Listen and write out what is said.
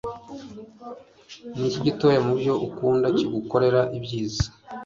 Niki Gitoya mubyo ukunda kigukorera ibyiza